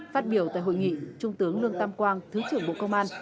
phát biểu tại hội nghị trung tướng lương tam quang thứ trưởng bộ công an